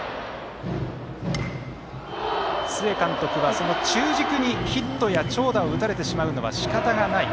須江監督は中軸にヒットや長打を打たれてしまうのはしかたがない。